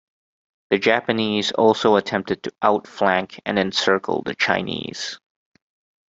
The Japanese also attempted to out-flank and encircle the Chinese.